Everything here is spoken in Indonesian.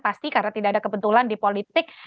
pasti karena tidak ada kebetulan di politik